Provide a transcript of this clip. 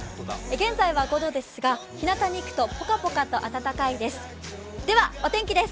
現在は５度ですが、日なたにいくとぽかぽかと暖かいです。